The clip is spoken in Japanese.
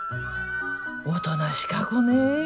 おとなしか子ね。